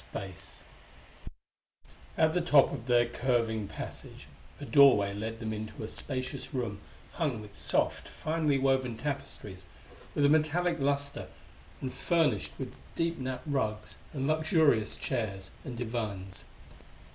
At the top of their curving passage a doorway led them into a spacious room hung with soft, finely woven tapestries with a metallic lustre and furnished with deep napped rugs and luxurious chairs and divans.